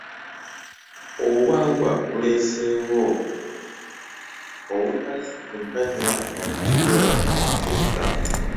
Obuwangwa buleeseewo obutali bwenkanya mu kikula mu Afirika